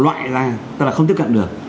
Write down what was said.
loại ra tức là không tiếp cận được